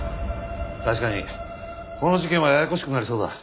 確かにこの事件はややこしくなりそうだ。